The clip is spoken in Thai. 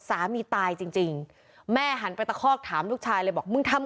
สามีตายจริงจริงแม่หันไปตะคอกถามลูกชายเลยบอกมึงทำ